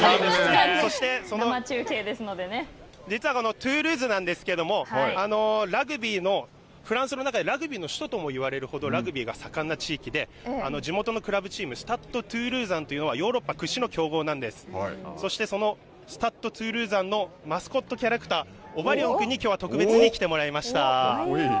そして、実はトゥールーズなんですけれども、フランスの中でラグビーの首都とも言われるほど、ラグビーが盛んな地域で、地元のクラブチーム、スタッド・トゥールーザンというのはヨーロッパ屈指の強豪なんです。スタッド・トゥールーザンのマスコットキャラクター、オバリオン君にきょうは特別に来ていただきました。